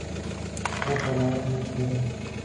تو حالات میں کریں۔